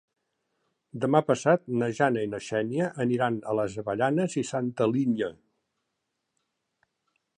Demà passat na Jana i na Xènia aniran a les Avellanes i Santa Linya.